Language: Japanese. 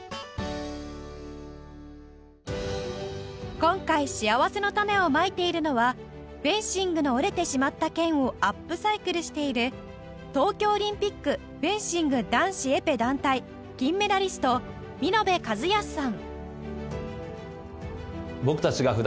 今回しあわせのたねをまいているのはフェンシングの折れてしまった剣をアップサイクルしている東京オリンピックフェンシング男子エペ団体金メダリスト見延和靖さん